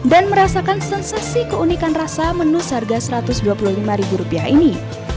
dan merasakan sensasi keunikan rasa menu seharga satu ratus dua puluh lima rupiah ini